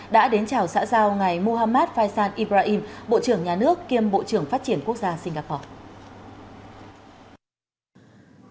đã đến chảo xã giao ngày muhammad faisal ibrahim bộ trưởng nhà nước kiêm bộ trưởng phát triển quốc gia singapore